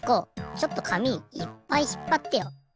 ちょっと紙いっぱいひっぱってよ。